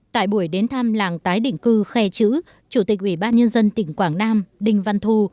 tại buổi đến thăm làng tái định cư khe chữ chủ tịch ủy ban nhân dân tỉnh quảng nam đinh văn thu